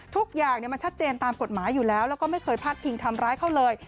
ทุกอย่างมันชัดเจนตามกฎหมายอยู่แล้วแล้วก็ไม่เคยพาดพิงทำร้ายเขาเลย